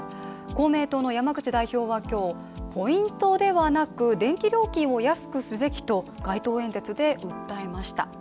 公明党の山口代表は今日、ポイントではなく電気料金を安くするべきと街頭演説で訴えました。